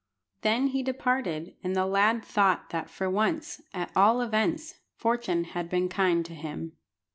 Then he departed, and the lad thought that for once, at all events, fortune had been kind to him.